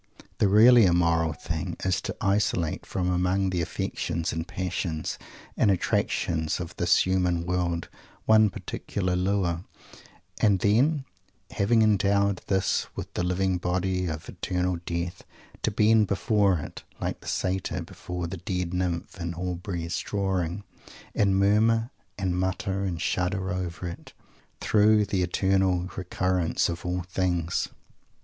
_ The really immoral thing is to isolate, from among the affections and passions and attractions of this human world, one particular lure; and then, having endowed this with the living body of "eternal death," to bend before it, like the satyr before the dead nymph in Aubrey's drawing, and murmur and mutter and shudder over it, through the eternal recurrence of all things!